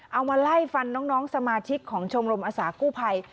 เอามาไล่ฟันน้องสมาชิกของชมรมอาสากู้ภัย